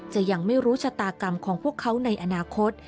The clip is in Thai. ยังไม่รู้ชะตากรรมของพวกเขาในอนาคต